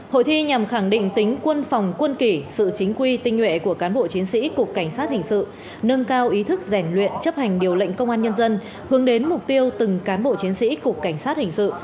hội thi nhằm khẳng định tính quân phòng quân kỷ sự chính quy tinh nhuệ của cán bộ chiến sĩ cục cảnh sát hình sự nâng cao ý thức rèn luyện chấp hành điều lệnh công an nhân dân hướng đến mục tiêu từng cán bộ chiến sĩ cục cảnh sát hình sự